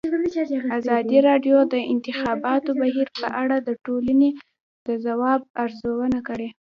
ازادي راډیو د د انتخاباتو بهیر په اړه د ټولنې د ځواب ارزونه کړې.